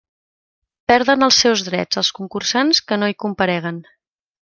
Perden els seus drets els concursants que no hi compareguen.